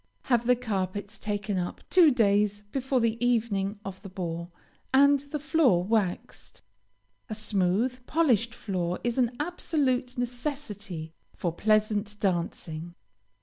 Have the carpets taken up two days before the evening of the ball, and the floor waxed. A smooth, polished floor is an absolute necessity for pleasant dancing.